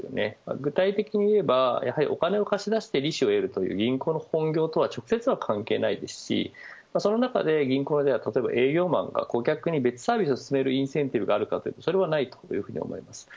具体的に言えば、やはりお金を貸し出して利子を得るという銀行の本業とは直接は関係ないですしその中で銀行では営業マンが顧客に別サービスを進めるインセンティブがあるかというとそれはないというふうに思います。